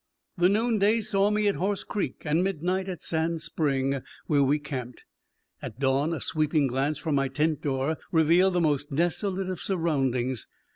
The noonday saw me at Horse Creek, and midnight, at Sand Spring, where we camped. At dawn, a sweeping glance from my tent door revealed the most desolate of surroundings.